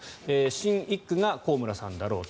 新１区が高村さんだろうと。